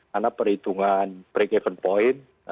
karena perhitungan break even point